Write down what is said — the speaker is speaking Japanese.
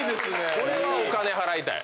これはお金払いたい。